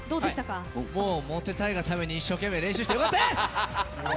モテたいがために一生懸命練習してきてよかったです！